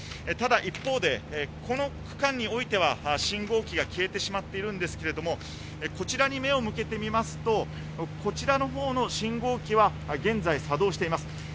ただ一方で、この区間においては信号機が消えてしまっていますがこちらに目を向けるとこちらの方の信号機は現在作動しています。